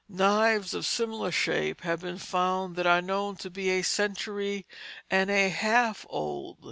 Knives of similar shape have been found that are known to be a century and a half old.